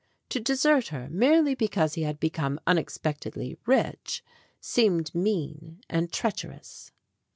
To desert her, merely because he had become unexpectedly rich, seemed mean and treacherous.